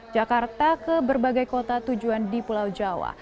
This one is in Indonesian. jakarta ke berbagai kota tujuan di pulau jawa